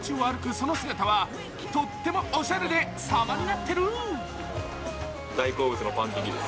その姿は、とってもおしゃれでサマになってる。